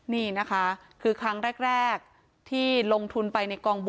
นี่นะคะคือครั้งแรกที่ลงทุนไปในกองบุญ